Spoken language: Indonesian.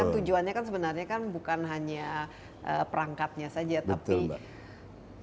tujuannya kan sebenarnya bukan hanya perangkatnya saja tapi kan itu yang penting untuk kita berpuasa dan berpengalaman dengan kita